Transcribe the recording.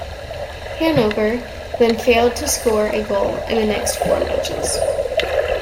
Hannover then failed to score a goal in their next four matches.